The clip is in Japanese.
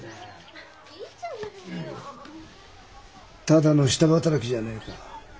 ただの下働きじゃねえか。